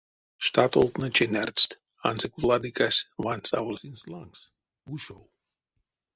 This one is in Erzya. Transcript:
Штатолтнэ ченярдсть, ансяк владыкась вансь аволь сынст лангс — ушов.